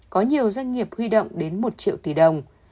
có nhiều doanh nghiệp huy động đến một triệu tỷ đồng